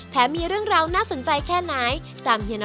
แถมมีเรื่องราวน่าสนใจแค่ไหน